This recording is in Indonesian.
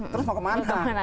terus mau kemana